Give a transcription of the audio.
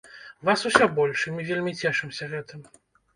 Вас усё больш, і мы вельмі цешымся гэтым.